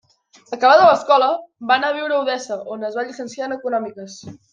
Acabada l'escola, va anar a viure a Odessa on es va llicenciar en econòmiques.